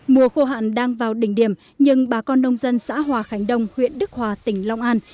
mùa khô hạn đang vào đỉnh điểm nhưng bà con nông dân xã hòa khánh đông huyện đức hòa tỉnh long an